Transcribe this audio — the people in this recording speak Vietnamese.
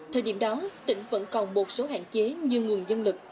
thời điểm đó tỉnh vẫn còn một số hạn chế như nguồn dân lực